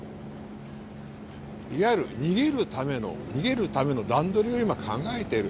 いわゆる逃げるための段取りを考えている。